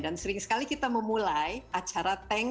dan sering sekali kita memulai acara teng